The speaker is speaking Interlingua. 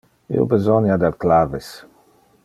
Io besonia del claves.